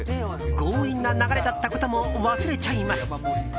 強引な流れだったことも忘れちゃいます。